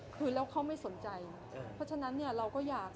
คือแล้วเขาไม่สนใจเพราะฉะนั้นเนี่ยเราก็อยาก